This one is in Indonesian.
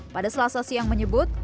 pada selasa siang menyebut